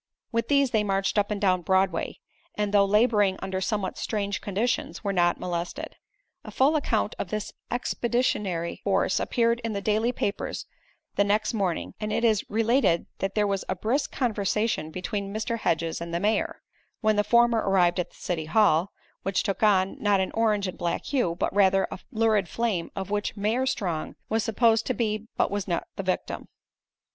With these they marched up and down Broadway and, though laboring under somewhat strange conditions, were not molested. A full account of this expeditionary force appeared in the daily papers the next morning and it is related that there was a brisk conversation between Mr. Hedges and the mayor, when the former arrived at the City Hall, which took on, not an orange and black hue, but rather a lurid flame, of which Mayor Strong was supposed to be but was not the victim.